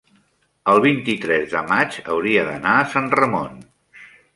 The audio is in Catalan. el vint-i-tres de maig hauria d'anar a Sant Ramon.